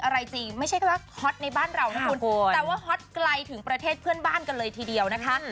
อะไรจริงไม่ใช่แค่ว่าฮอตในบ้านเรานะคุณแต่ว่าฮอตไกลถึงประเทศเพื่อนบ้านกันเลยทีเดียวนะคะ